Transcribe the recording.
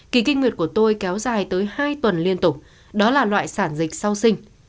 kỳ kinh nguyệt của tôi kéo dài tới hai tuần liên tục đó là loại sản dịch sau sinh